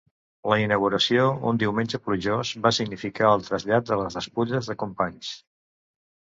La inauguració, un diumenge plujós, va significar el trasllat de les despulles de Companys.